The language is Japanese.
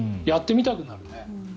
やってみたくなるね。